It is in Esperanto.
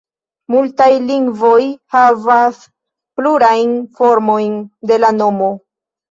Multaj lingvoj havas plurajn formojn de la nomo.